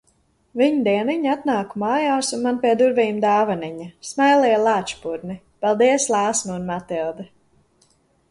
Viņdieniņ atnāku mājās un man pie durvīm dāvaniņa-Smailie lāčpurni! Paldies Lāsma un Matilde!